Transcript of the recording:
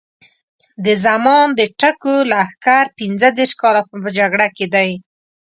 د زمان د ټکو لښکر پینځه دېرش کاله په جګړه کې دی.